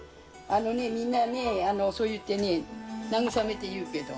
あのねみんなねそう言ってね慰めて言うけど。